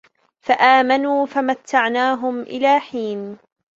فَآمَنُوا فَمَتَّعْنَاهُمْ إِلَى حِينٍ